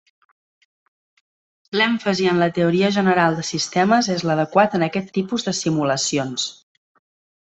L'èmfasi en la teoria general de sistemes és l'adequat en aquest tipus de simulacions.